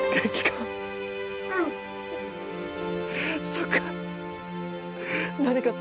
そうか。